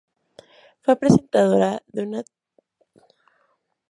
Fue presentadora de una tertulia radiofónica, ""Preguntar al Abogado Familiar"".